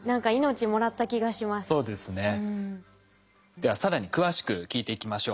では更に詳しく聞いていきましょう。